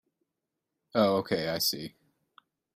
Oh okay, I see.